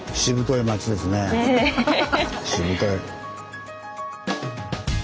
しぶとい。